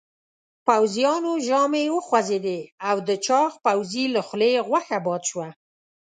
پوځيانو ژامې وخوځېدې او د چاغ پوځي له خولې غوښه باد شوه.